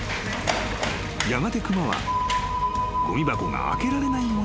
［やがて熊はごみ箱が開けられないものだと］